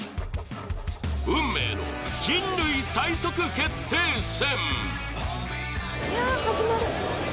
運命の人類最速決定戦。